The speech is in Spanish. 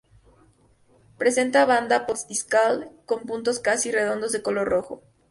Presenta banda postdiscal con puntos casi redondos de color rojo coral.